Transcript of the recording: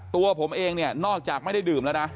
ตัวผมเองเนี่ยนอกจากไม่ได้ดื่มแล้วนะ